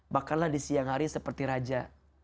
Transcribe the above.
makanlah di siang hari seperti raja